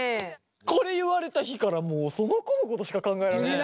これ言われた日からもうその子のことしか考えられないね。